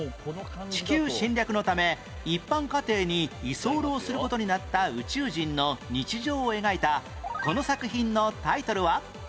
地球侵略のため一般家庭に居候する事になった宇宙人の日常を描いたこの作品のタイトルは？